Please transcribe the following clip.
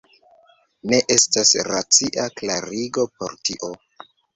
Ne estas racia klarigo por tio.